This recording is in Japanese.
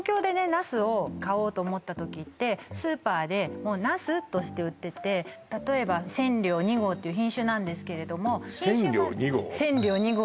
ナスを買おうと思った時ってスーパーでもうナスとして売ってて例えば千両２号っていう品種なんですけれども千両２号？